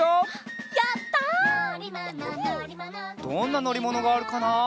どんなのりものがあるかな？